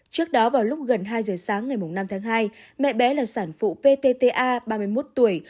trước đó vào lúc gần hai giờ sáng ngày năm tháng hai mẹ bé là sản phụ ptta a ba mươi một tuổi